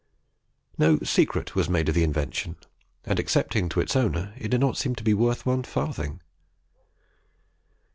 No secret was made of the invention, and, excepting to its owner, it did not seem to be worth one farthing.